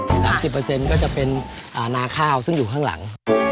๓๐ก็จะเป็นนาข้าวซึ่งอยู่ข้างหลัง